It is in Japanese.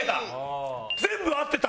全部合ってた！